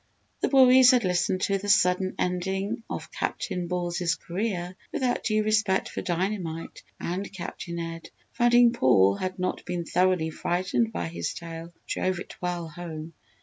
The boys had listened to the sudden ending of Captain Ball's career without due respect for dynamite and Captain Ed, finding Paul had not been thoroughly frightened by his tale, drove it well home.